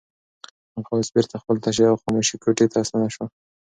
هغه اوس بېرته خپلې تشې او خاموشې کوټې ته ستنه شوه.